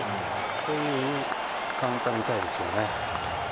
こういうカウンターみたいですよね。